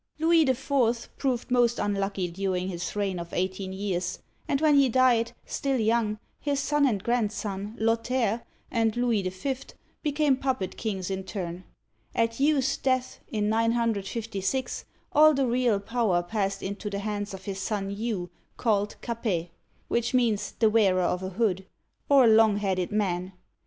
Louis IV. proved most unlucky during his reign of eighteen years, and when he died, still young, his son and grandson, Lothair and Louis V., became puppet kings in turn. At Hugh's death, in 956, all the real power passed into the hands of his son Hugh, called Capet (ca'pet, or ca pe'), which means the "wearer of a hood," or a "long headed " man.